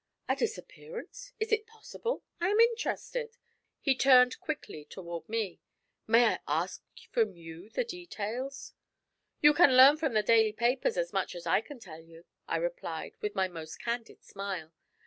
'A disappearance! Is it possible? I am interested.' He turned quickly toward me. 'May I ask from you the details?' 'You can learn from the daily papers as much as I can tell you,' I replied, with my most candid smile.